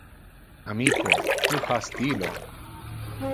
Amico, tu ha stilo!